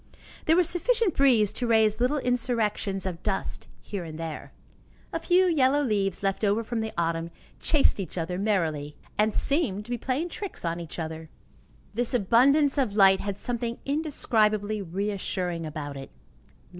There was sufficient breeze to raise little insurrections of dust here and there. A few yellow leaves, left over from the autumn, chased each other merrily, and seemed to be playing tricks on each other. This abundance of light had something indescribably reassuring about it.